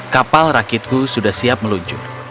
kapal rakithu sudah siap meluncur